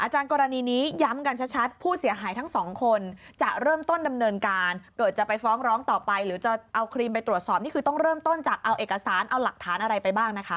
กรณีนี้ย้ำกันชัดผู้เสียหายทั้งสองคนจะเริ่มต้นดำเนินการเกิดจะไปฟ้องร้องต่อไปหรือจะเอาครีมไปตรวจสอบนี่คือต้องเริ่มต้นจากเอาเอกสารเอาหลักฐานอะไรไปบ้างนะคะ